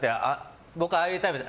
僕、ああいうタイプです。